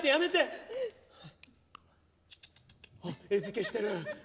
餌付けしてる。